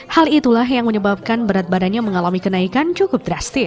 hal itulah yang menyebabkan berat badannya mengalami kenaikan cukup drastis